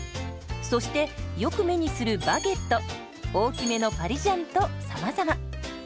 そしてよく目にするバゲット大きめのパリジャンとさまざま。